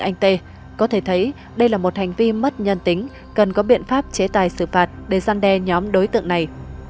anh t có thể thấy đây là một hành vi mất nhân tính cần có biện pháp chế tài xử phạt để gian đe nhóm đối tượng này